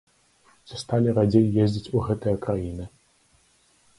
Ці сталі радзей ездзіць у гэтыя краіны?